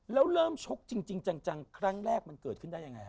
แล้วเริ่มชกจริงจังครั้งแรกมันเกิดขึ้นได้ยังไงฮ